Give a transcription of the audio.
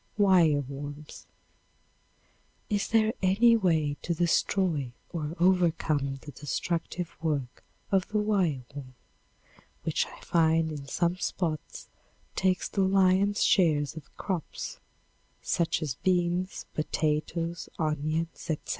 Wire Worms. Is there any way to destroy or overcome the destructive work of the wireworm, which I find in some spots takes the lion's share of crops, such as beans, potatoes, onions, etc.?